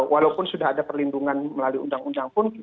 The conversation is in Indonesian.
walaupun sudah ada perlindungan melalui undang undang pun